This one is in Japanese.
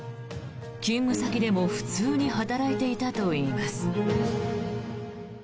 勤務先でも普通に働いていたといいます。